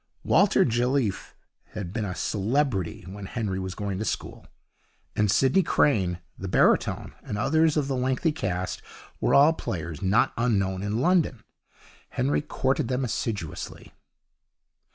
Walter Jelliffe had been a celebrity when Henry was going to school; and Sidney Crane, the baritone, and others of the lengthy cast, were all players not unknown in London. Henry courted them assiduously.